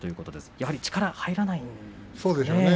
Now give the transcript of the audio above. やはり力が入らないんですね。